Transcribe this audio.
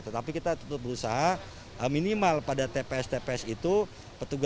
tetapi kita tetap berusaha minimal pada tps tps itu petugasnya harus berusaha untuk memiliki sampah yang tidak terkena